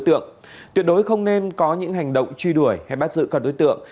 tuyệt đối không nên có những hành động truy đuổi hay bắt giữ các đối tượng